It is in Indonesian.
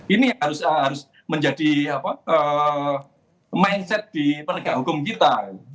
ini harus menjadi mindset di penegak hukum kita